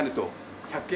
１８００円。